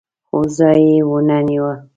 خو ځای یې ونه نیو.